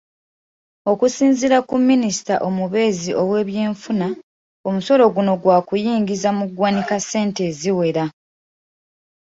Okusinziira ku Minisita omubeezi ow'ebyenfuna, omusolo guno gwa kuyingiza mu ggwanika ssente eziwera.